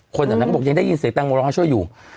คนแถวนั้นก็บอกยังได้ยินเสียงแตงโมร้องให้ช่วยอยู่